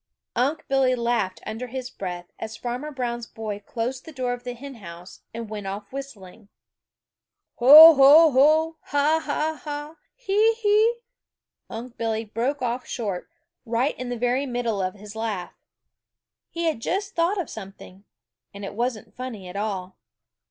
Unc' Billy laughed under his breath as Farmer Brown's boy closed the door of the hen house and went off whistling. "Ho, ho, ho! Ha, ha, ha! Hee, hee!" Unc' Billy broke off short, right in the very middle of his laugh. He had just thought of something, and it wasn't funny at all.